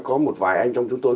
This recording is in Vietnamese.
có một vài anh trong chúng tôi